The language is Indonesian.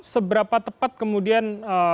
seberapa tepat kemudian